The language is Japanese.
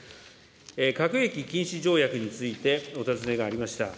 核兵器禁止条約についてお尋ねがありました。